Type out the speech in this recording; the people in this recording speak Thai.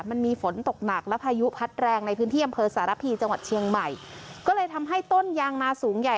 มันมีฝนตกหนักและพายุพัดแรงในพื้นที่อำเภอสารพีจังหวัดเชียงใหม่ก็เลยทำให้ต้นยางมาสูงใหญ่